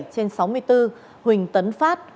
trên sáu mươi bốn huỳnh tấn phát